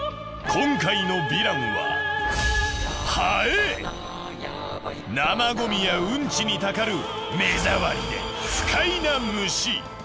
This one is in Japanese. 今回のヴィランは生ゴミやウンチにたかる目障りで不快な虫。